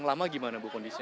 lama gimana ibu kondisinya